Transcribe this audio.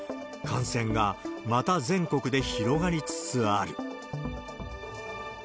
感染がまた全国で広がりつつある。